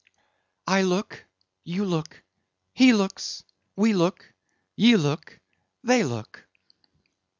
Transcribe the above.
"I look, you look, he looks; we look, ye look, they look."